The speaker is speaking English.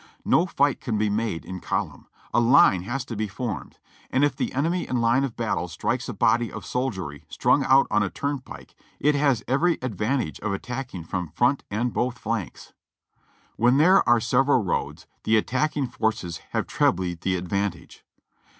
No fight can be made in column — a line has to be formed, and if the enemy in line of battle strikes a body of soldiery strung out on a turnpike it has every advantage of attacking from front and both flanks. When there are several roads, the attacking forces have trebly the advantage.